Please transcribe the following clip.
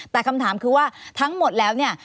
แต่คำถามคือว่าทั้งหมดแล้วเนี่ย